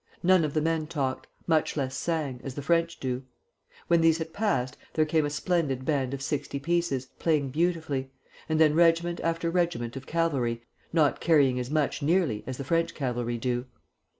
None of the men talked, much less sang, as the French do. When these had passed, there came a splendid band of sixty pieces, playing beautifully, and then regiment after regiment of cavalry (not carrying as much, nearly, as the French cavalry do).